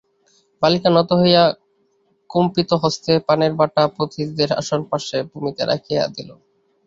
বালিকা নত হইয়া কম্পিতহস্তে পানের বাটা অতিথিদের আসন-পার্শ্বে ভূমিতে রাখিয়া দিল।